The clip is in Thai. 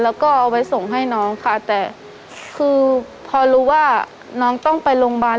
แล้วก็เอาไว้ส่งให้น้องค่ะแต่คือพอรู้ว่าน้องต้องไปโรงพยาบาล